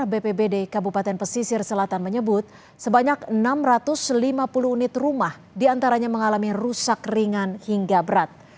bpbd kabupaten pesisir selatan menyebut sebanyak enam ratus lima puluh unit rumah diantaranya mengalami rusak ringan hingga berat